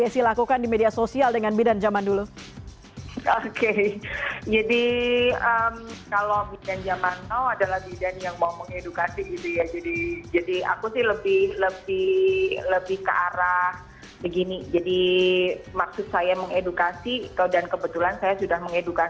selamat hari bidan nasional sebelumnya